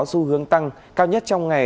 xu hướng tăng cao nhất trong ngày